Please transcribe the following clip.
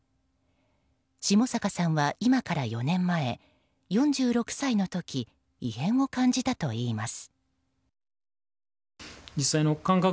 下坂さんは今から４年前４６歳の時異変を感じたといいます。